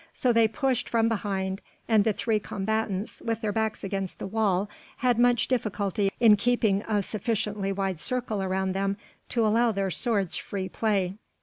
So they pushed from behind and the three combatants with their backs against the wall had much difficulty in keeping a sufficiently wide circle around them to allow their swords free play.